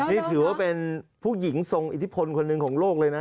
นี่ถือว่าเป็นผู้หญิงทรงอิทธิพลคนหนึ่งของโลกเลยนะ